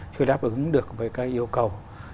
chưa đáp ứng được với các yêu cầu